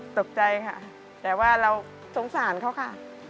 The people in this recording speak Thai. ตกใจค่ะแต่ว่าเราสงสารเขาค่ะ